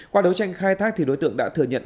qua đấu tranh khai thác thì đối tượng đã thừa nhận